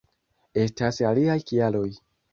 Estas aliaj kialoj.